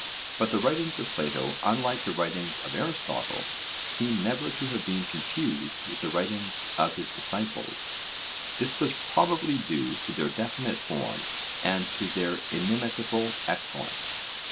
But the writings of Plato, unlike the writings of Aristotle, seem never to have been confused with the writings of his disciples: this was probably due to their definite form, and to their inimitable excellence.